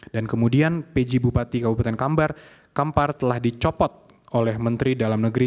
dan kemudian pj bupati kabupaten kampar telah dicopot oleh menteri dalam negeri